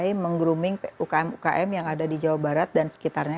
mereka sudah mulai menggrooming umkm umkm yang ada di jawa barat dan sekitarnya